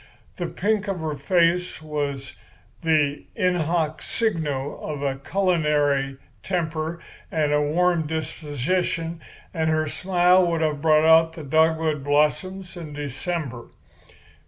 The pink of her face was the in hoc signo of a culinary temper and a warm disposition, and her smile would have brought out the dogwood blossoms in December.